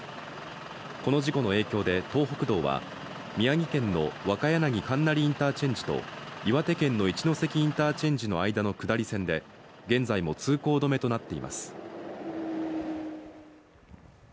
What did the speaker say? この事故の影響で、東北道は宮城県の若柳金成インターチェンジと岩手県の一関インターチェンジの間の下り線で現在も通行止めとなっています。